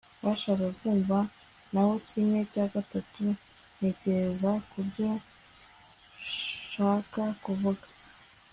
bashaka kumva naho kimwe cya gatatu ntekereza kubyo nshaka kuvuga